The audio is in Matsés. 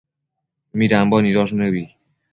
midambo nidosh nëbi